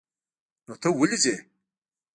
نو ته ولې ځې؟